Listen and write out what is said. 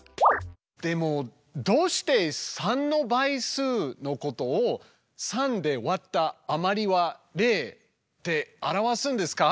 でもどうして３の倍数のことを「３で割った余り＝０」って表すんですか？